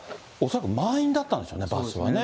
恐らく満員だったんでしょうね、バスはね。